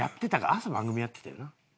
朝の番組やってたよな？